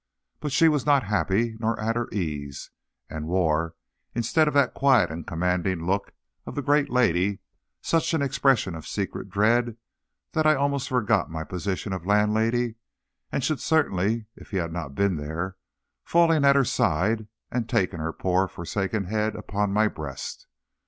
But she was not happy nor at her ease, and wore, instead of the quiet and commanding look of the great lady, such an expression of secret dread that I almost forgot my position of landlady, and should certainly, if he had not been there, fallen at her side and taken her poor, forsaken head upon my breast.